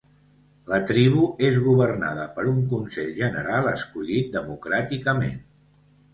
La tribu és governada per un consell general escollit democràticament.